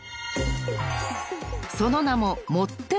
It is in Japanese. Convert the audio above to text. ［その名も］